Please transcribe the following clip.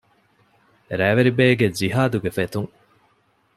ރައިވެރިބޭގެ ޖިހާދުގެ ފެތުން